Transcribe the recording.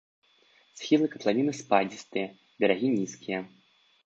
Схілы катлавіны спадзістыя, берагі нізкія.